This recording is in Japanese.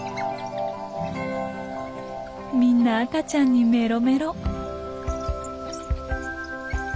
みんな赤ちゃんにメロメロ。